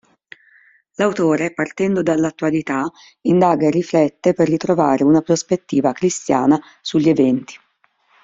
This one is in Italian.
L'autore, partendo dall'attualità, indaga e riflette per ritrovare una prospettiva cristiana sugli eventi.